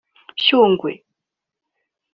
Shungwe